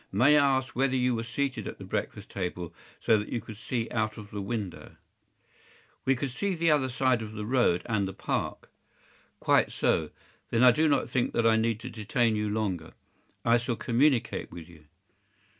May I ask whether you were seated at the breakfast table so that you could see out of the window?” “We could see the other side of the road and the Park.” “Quite so. Then I do not think that I need to detain you longer. I shall communicate with you.